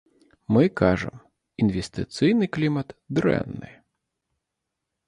Мы кажам, інвестыцыйны клімат дрэнны.